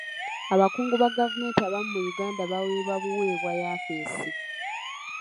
Abakungu ba gavumenti abamu mu Uganda baweebwa buweebwa yafesi.